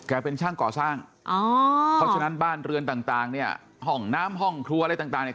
เป็นช่างก่อสร้างอ๋อเพราะฉะนั้นบ้านเรือนต่างเนี่ยห้องน้ำห้องครัวอะไรต่างเนี่ย